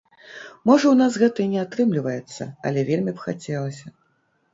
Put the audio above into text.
Можа ў нас гэта і не атрымліваецца, але вельмі б хацелася.